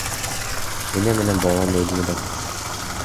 Эне менен баланын өлүмү да күч.